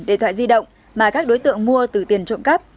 điện thoại di động mà các đối tượng mua từ tiền trộm cắp